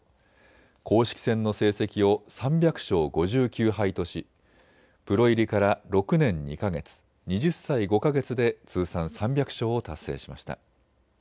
公式戦の成績を３００勝５９敗としプロ入りから６年２か月、２０歳５か月で通算３００勝を達成しました。